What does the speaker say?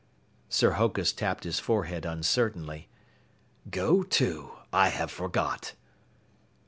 Sir Hokus tapped his forehead uncertainly. "Go to, I have forgot."